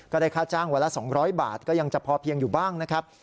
ได้ค่าจ้างวันละ๒๐๐บาทก็ยังจะพอเพียงอยู่บ้างนะครับ